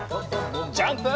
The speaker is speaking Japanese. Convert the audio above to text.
ジャンプ！